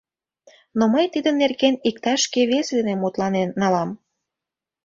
Но мый тидын нерген иктаж-кӧ весе дене мутланен налам.